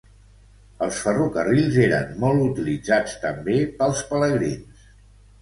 Els ferrocarrils eren molt utilitzats també pels pelegrins.